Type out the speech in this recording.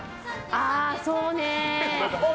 ああ、そうね。